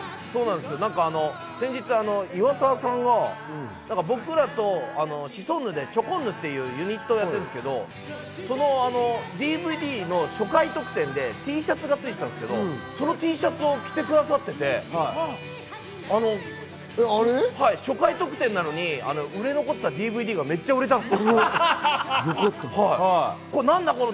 先日、岩沢さんが僕らとシソンヌでチョコンヌっていうユニットをやってるんですけど、そのＤＶＤの初回特典でＴシャツがついてたんですけど、そのＴシャツを着てくださっていて、初回特典なのに売れ残っていたＤＶＤがめっちゃ売れたんです。